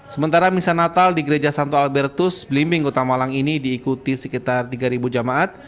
sementara misal natal di gereja santo albertus belimbing kota malang ini diikuti sekitar tiga ribu jamaat